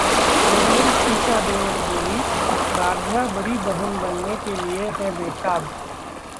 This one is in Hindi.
प्रेग्नेंट ईशा देओल बोलीं- राध्या बड़ी बहन बनने के लिए है बेताब